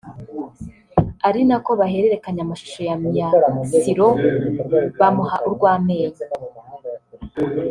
ari nako bahererekanya amashusho ya Myasiro bamuha urwamenyo